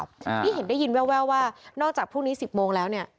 ที่เห็นได้ยินแววว่านอกจากพรุ่งนี้สิบโมงแล้วเนี่ย